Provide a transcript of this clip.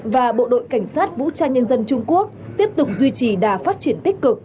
và bộ đội cảnh sát vũ trang nhân dân trung quốc tiếp tục duy trì đà phát triển tích cực